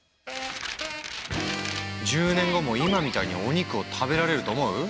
１０年後も今みたいにお肉を食べられると思う？